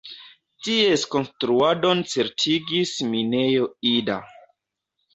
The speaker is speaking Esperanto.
Ties konstruadon certigis Minejo Ida.